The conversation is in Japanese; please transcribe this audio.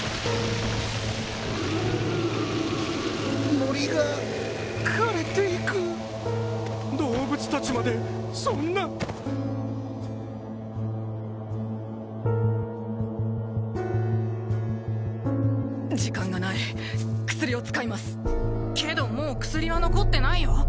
森が枯れていく動物達までそんな時間がない薬を使いますけどもう薬は残ってないよ